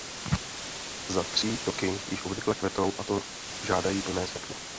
Za tří toky již obvykle kvetou a to žádají plné světlo.